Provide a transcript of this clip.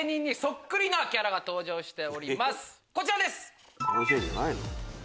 こちらです！